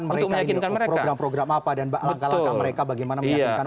untuk meyakinkan mereka ini program program apa dan langkah langkah mereka bagaimana meyakinkan